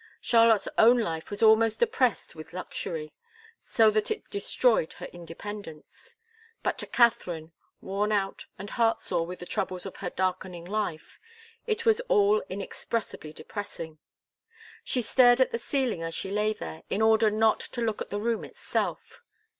Charlotte's own life was almost oppressed with luxury, so that it destroyed her independence. But to Katharine, worn out and heartsore with the troubles of her darkening life, it was all inexpressibly depressing. She stared at the ceiling as she lay there, in order not to look at the room itself.